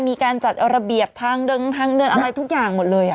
มีการจัดระเบียบทางเดินทางเดินอะไรทุกอย่างหมดเลย